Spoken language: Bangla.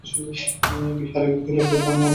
বিহারী কহিল, বোঠান, আমি অনেক ভাবিয়াছি।